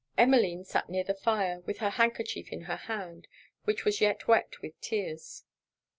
Emmeline sat near the fire, with her handkerchief in her hand, which was yet wet with tears.